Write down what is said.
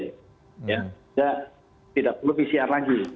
tidak perlu pcr lagi